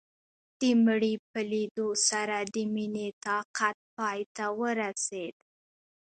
د مړي په ليدو سره د مينې طاقت پاى ته ورسېد.